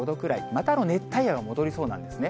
また、熱帯夜が戻りそうなんですね。